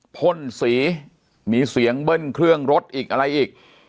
พ่นสีมีเสียงเบิ้ลเครื่องรถอีกอะไรอีก